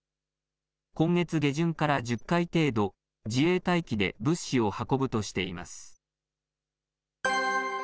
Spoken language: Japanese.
今月下旬から１０回程度、自衛隊機で物資を運ぶとしています。